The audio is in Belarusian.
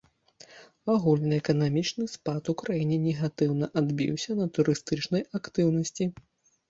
Агульны эканамічны спад у краіне негатыўна адбіўся на турыстычнай актыўнасці.